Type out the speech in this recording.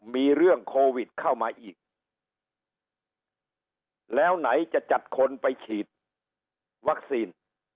มีเรื่องโควิดเข้ามาอีกแล้วไหนจะจัดคนไปฉีดวัคซีน